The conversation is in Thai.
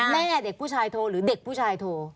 แม่เด็กผู้ชายโทรหรือเด็กผู้ชายโทร